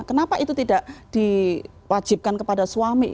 kenapa itu tidak diwajibkan kepada suami